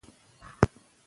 ښوونکي درس ورکوې.